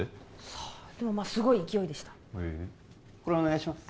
さあでもすごい勢いでしたへこれお願いします